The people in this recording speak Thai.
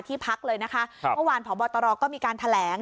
พักเลยนะคะเมื่อวานพบตรก็มีการแถลง